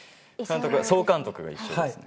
総監督が一緒ですね。